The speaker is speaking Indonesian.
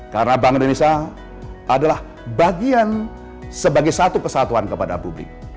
karena bank indonesia adalah bagian sebagai satu kesatuan kepada publik